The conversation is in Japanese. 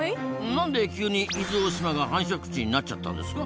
なんで急に伊豆大島が繁殖地になっちゃったんですか？